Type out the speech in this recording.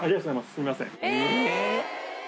すいません。